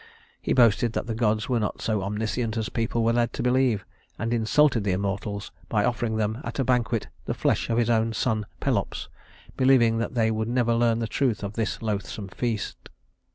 He boasted that the gods were not so omniscient as people were led to believe; and insulted the immortals by offering them at a banquet the flesh of his own son Pelops, believing that they would never learn the truth of this loathsome feast.